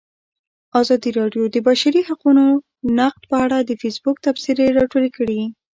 ازادي راډیو د د بشري حقونو نقض په اړه د فیسبوک تبصرې راټولې کړي.